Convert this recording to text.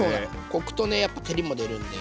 コクとねやっぱ照りも出るんで。